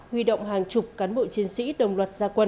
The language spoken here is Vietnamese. huy động hàng chục cán bộ chiến sĩ đồng loạt gia quân